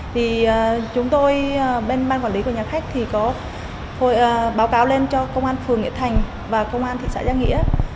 thì chúng tôi bên ban quản lý của nhà khách thì có báo cáo lên cho công an phường nghĩa thành và công an thị xã giang nghĩa